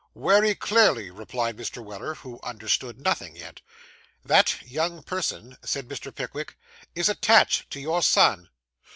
'Wery clearly,' replied Mr. Weller, who understood nothing yet. 'That young person,' said Mr. Pickwick, 'is attached to your son.